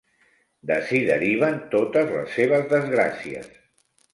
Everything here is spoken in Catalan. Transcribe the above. D'ací deriven totes les seves desgràcies.